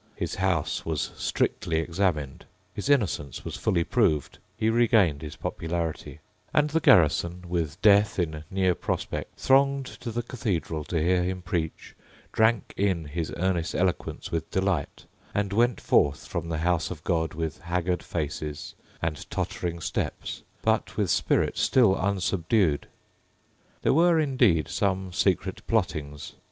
His house was strictly examined: his innocence was fully proved: he regained his popularity; and the garrison, with death in near prospect, thronged to the cathedral to hear him preach, drank in his earnest eloquence with delight, and went forth from the house of God with haggard faces and tottering steps, but with spirit still unsubdued. There were, indeed, some secret plottings.